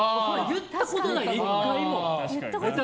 言ったことない、１回も。